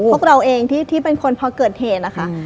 พวกเราเองที่เป็นคนพอเกิดเหตุนะคะ